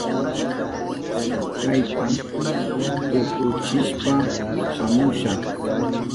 Kayta tukuchishpa shamusha.